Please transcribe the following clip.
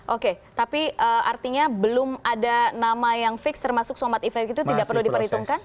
oke tapi artinya belum ada nama yang fix termasuk somat efek itu tidak perlu diperhitungkan